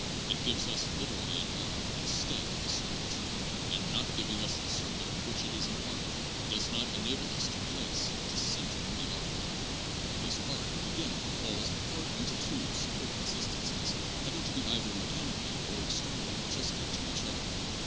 It gives us literally an arc, in stead of the circuit ; and not giving us the circuit of which it is an arc, does not enable us to place, to center, the arc. This arc, again, falls apart into two separate existences having to be either mechanically or externally adjusted to each other.